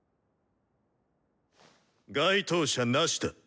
該当者「なし」だ。